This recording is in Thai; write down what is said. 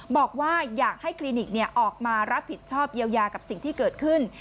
บอกว่าอยากให้คลินิกออกมารับผิดชอบเยียวยากับสิ่งที่เกิดขึ้น